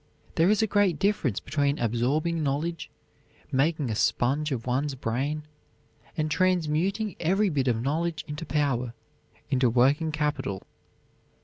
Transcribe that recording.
There is a great difference between absorbing knowledge, making a sponge of one's brain, and transmuting every bit of knowledge into power, into working capital.